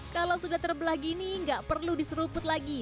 kalau sudah terbelah gini nggak perlu diseruput lagi